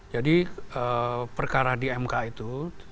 jadi perkara di mk itu